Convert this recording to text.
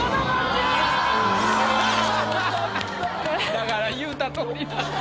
だから言うたとおりになって。